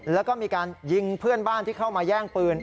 แล้วก็มีการยิงเพื่อนบ้านที่เข้ามาแย่งปืน